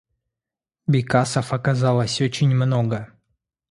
Бекасов оказалось очень много.